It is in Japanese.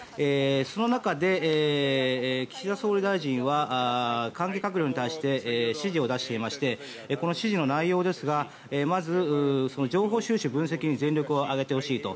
その中で岸田総理大臣は関係閣僚に対して指示を出していましてこの指示の内容ですがまず情報収集、分析に全力を挙げてほしいと。